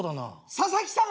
「佐々木さん！